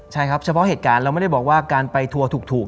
ใช่ครับเฉพาะเหตุการณ์เราไม่ได้บอกว่าการไปทัวร์ถูก